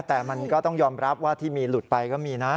แต่มันก็ต้องยอมรับว่าที่มีหลุดไปก็มีนะ